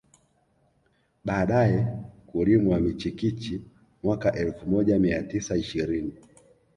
Baadae kulimwa michikichi mwaka elfu moja mia tisa ishirini